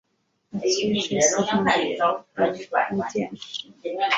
崔氏四兄弟都中进士。